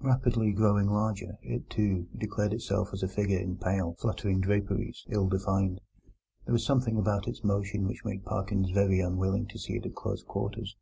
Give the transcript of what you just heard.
Rapidly growing larger, it, too, declared itself as a figure in pale, fluttering draperies, ill defined. There was something about its motion which made Parkins very unwilling to see it at close quarters.